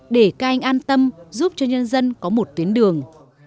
để các anh an tâm giúp cho nhân dân có một tuyến đường